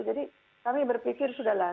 jadi kami berpikir sudah lah